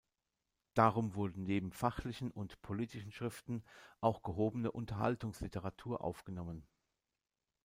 Darum wurde neben fachlichen und politischen Schriften auch gehobene Unterhaltungsliteratur aufgenommen.